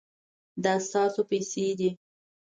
دا ستاسو پیسې دي